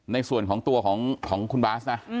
ในส่วนของตัวของคุณบาสนะ